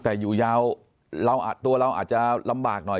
แต่อยู่ยาวตัวเราอาจจะลำบากหน่อย